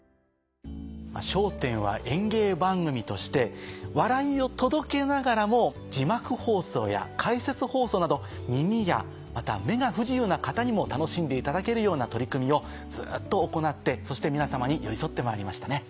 『笑点』は演芸番組として笑いを届けながらも字幕放送や解説放送など耳やまた目が不自由な方にも楽しんでいただけるような取り組みをずっと行ってそして皆様に寄り添ってまいりましたね。